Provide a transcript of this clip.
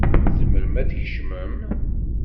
Tzemrem ad d-tkecmem.